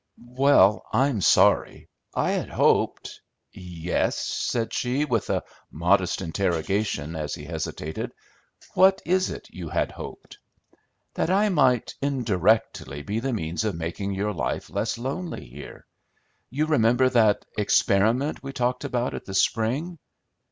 "Well, I'm sorry. I had hoped" "Yes," said she, with a modest interrogation, as he hesitated, "what is it you had hoped?" "That I might indirectly be the means of making your life less lonely here. You remember that 'experiment' we talked about at the spring?"